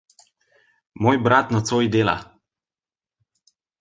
Moj brat nocoj dela.